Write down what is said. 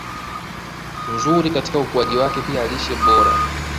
nzuri katika ukuaji wake Pia lishe bora